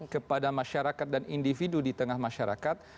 kepada masyarakat dan individu di tengah masyarakat